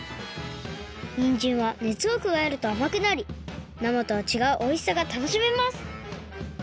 にんじんはねつをくわえるとあまくなりなまとはちがうおいしさがたのしめます。